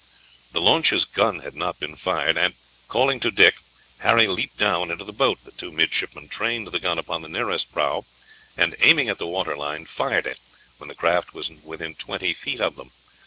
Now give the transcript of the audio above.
The launch's gun had not been fired, and, calling to Dick, Harry leaped down into the boat. The two midshipmen trained the gun upon the nearest prahu, and aiming at the waterline, fired it when the craft was within twenty feet of them.